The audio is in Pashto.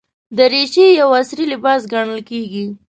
دریشي یو عصري لباس ګڼل کېږي.